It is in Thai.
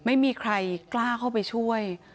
ไม่มีใครกล้าเข้าไปช่วย